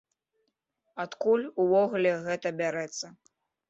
Адкуль увогуле гэта бярэцца?